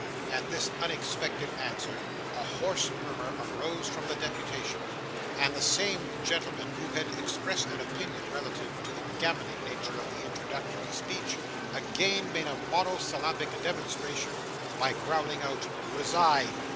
At this unexpected answer, a hoarse murmur arose from the deputation; and the same gentleman who had expressed an opinion relative to the gammoning nature of the introductory speech, again made a monosyllabic demonstration, by growling out 'Resign!